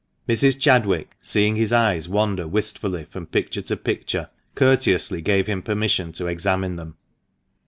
Mrs. Chadwick, seeing his eyes wander wistfully from picture to picture, courteously gave him permission to examine them.